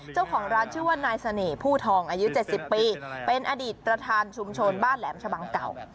เจ้าของร้านชื่อว่านายเสน่ห์ผู้ทองอายุ๗๐ปีเป็นอดีตประธานชุมชนบ้านแหลมชะบังเก่า